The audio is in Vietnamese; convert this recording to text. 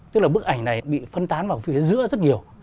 tức là bức ảnh này bị phân tán vào phía giữa rất nhiều